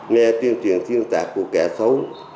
nghe thiên tuyền thiên tạc của kẻ xấu